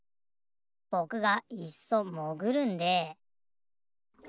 ぼくがいっそもぐるんで。